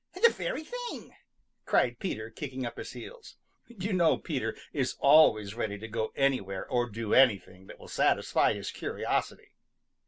"The very thing!" cried Peter, kicking up his heels. You know Peter is always ready to go anywhere or do anything that will satisfy his curiosity.